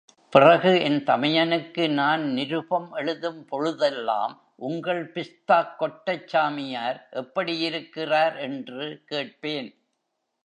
பிறகு என் தமயனுக்கு நான் நிருபம் எழுதும் பொழுதெல்லாம், உங்கள் பிஸ்தாக் கொட்டைச் சாமியார் எப்படியிருக்கிறார்? என்று கேட்பேன்.